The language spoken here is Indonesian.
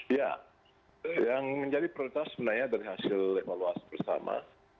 ya yang menjadi prioritas sebenarnya dari hasil lekma luas pertama